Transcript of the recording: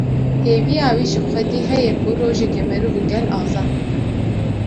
Hêviya wî ji Xwedî heye ku rojeke meriv û gel azad bibin